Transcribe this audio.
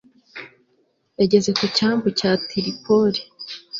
yageze ku cyambu cya tiripoli